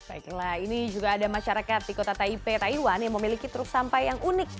baiklah ini juga ada masyarakat di kota taipei taiwan yang memiliki truk sampah yang unik